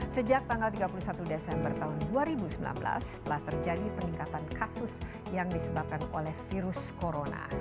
sejak tanggal tiga puluh satu desember tahun dua ribu sembilan belas telah terjadi peningkatan kasus yang disebabkan oleh virus corona